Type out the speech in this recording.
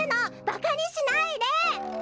ばかにしないで！